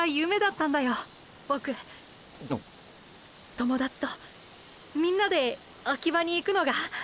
友達とみんなでアキバに行くのが。